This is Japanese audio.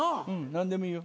何でもいいよ。